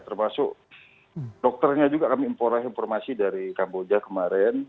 termasuk dokternya juga kami impor informasi dari kamboja kemarin